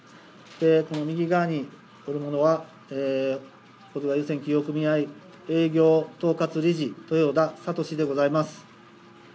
この右側におるものは、保津川遊船企業組合営業統括理事、豊田覚司でございます。